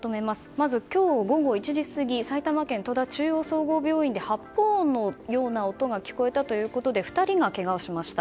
まず今日午後１時過ぎ埼玉県戸田中央総合病院で発砲音のような音が聞こえたということで２人がけがをしました。